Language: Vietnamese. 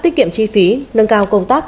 tích kiệm chi phí nâng cao công tác